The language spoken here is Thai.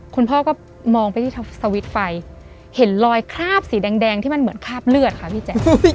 คุณพ่อก็มองไปที่สวิตช์ไฟเห็นรอยคราบสีแดงที่มันเหมือนคราบเลือดค่ะพี่แจ๊ค